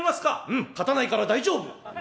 「うん勝たないから大丈夫！」。